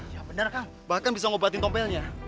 ya bener kang bahkan bisa ngobatin tompelnya